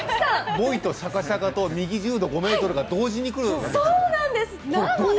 「ボイ」と「シャカシャカ」と「右１０度、５ｍ！」が同時にくるんですね。